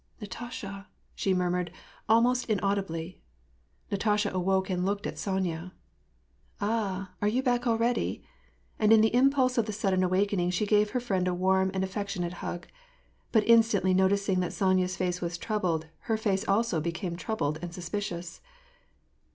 << Natasha !" she murmured, almost inaudibly. Natasha awoke and looked at Sonya. '' Ah, are you back already ?" And in the impulse of the sudden awakening she gave her friend a warm and affectionate hug, but instantly noticing that Sonya's face was troubled, her face also became troubled and suspicious.